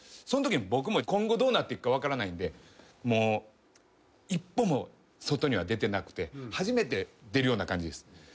そんときに僕も今後どうなっていくか分からないんでもう一歩も外には出てなくて初めて出るような感じです。